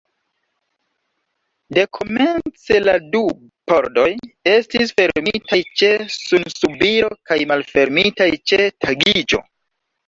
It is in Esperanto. Dekomence la du pordoj estis fermitaj ĉe sunsubiro kaj malfermitaj ĉe tagiĝo.